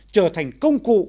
trở thành công cụ